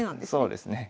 そうですね。